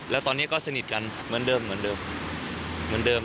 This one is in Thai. แล้วตอนนี้ก็สนิทกันเหมือนเดิม